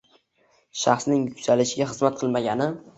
shaxsning yuksalishiga xizmat qilmagani